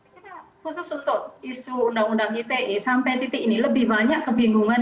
kita khusus untuk isu undang undang ite sampai titik ini lebih banyak kebingungan